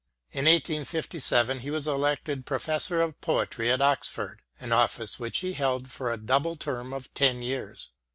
In 1857 he was elected Professor of Poetry at Oxford, an office which he held for a double term of ten years.